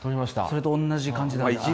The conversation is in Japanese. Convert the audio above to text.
それと同じ感じなんだ。